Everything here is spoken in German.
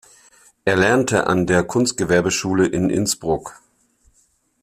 Er lernte an der Kunstgewerbeschule in Innsbruck.